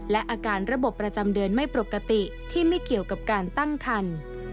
และอาการระบบประจำเดือนไม่ปกติที่ไม่เกี่ยวกับการตั้งคัน